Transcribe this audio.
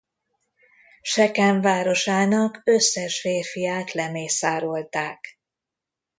Sekem városának összes férfiát lemészárolták.